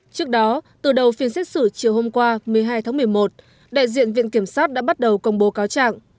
trước đó từ đầu phiên xét xử chiều hôm qua một mươi hai tháng một mươi một đại diện viện kiểm sát đã bắt đầu công bố cáo trạng